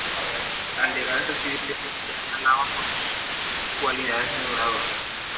Al llegar a esta ciudad ya se alaba por sus cualidades de orador.